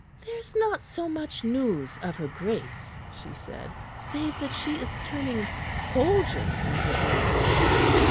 "There is not so much news of her Grace," she said, "save that she is turning soldier in her old age.